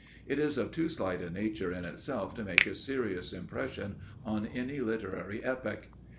It is of too slight a nature in itself to make a serious impression on any literary epoch.